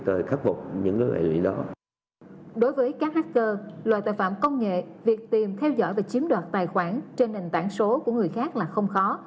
đối với các hacker loại tội phạm công nghệ việc tìm theo dõi và chiếm đoạt tài khoản trên nền tảng số của người khác là không khó